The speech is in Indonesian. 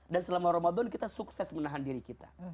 dan selama ramadan kita sukses menahan diri kita